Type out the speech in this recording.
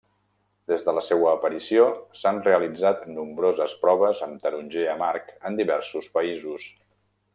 Des de la seua aparició s'han realitzat nombroses proves amb taronger amarg en diversos països.